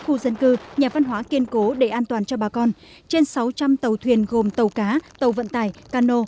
khu vực kiên cố để an toàn cho bà con trên sáu trăm linh tàu thuyền gồm tàu cá tàu vận tải cano